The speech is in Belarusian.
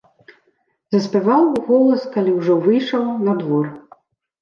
Заспяваў уголас, калі ўжо выйшаў на двор.